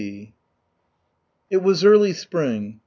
It was early spring.